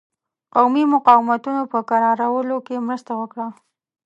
قومي مقاومتونو په کرارولو کې مرسته وکړه.